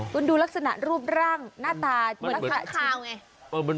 คุณดูลักษณะรูปร่างหน้าตาเหมือนคาวไง